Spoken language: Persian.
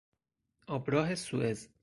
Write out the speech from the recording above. آبراه سوئز